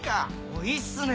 おっいいっすね